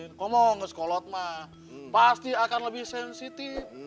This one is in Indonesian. kalau mau bersekolah pak pasti akan lebih sensitif